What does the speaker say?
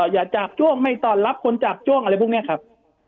อย่าจับจ้วงไม่ตอนรับคนจับจ้วงอะไรพวกนี้ครับ